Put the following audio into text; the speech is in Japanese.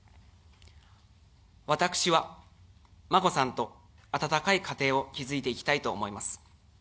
私は、眞子さんと温かい家庭を築いていきたいと思います。